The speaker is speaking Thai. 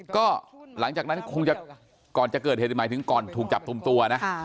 ก็หลังจากนั้นคงจะก่อนจะเกิดเหตุหมายถึงก่อนถูกจับกลุ่มตัวนะ